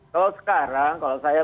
kalau sekarang kalau saya